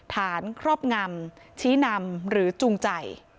ครอบงำชี้นำหรือจูงใจ